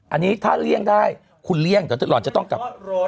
อันนี้ถ้าเลี่ยงได้คุณเลี่ยงเดี๋ยวหล่อนจะต้องกลับ